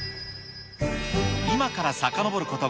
今からさかのぼること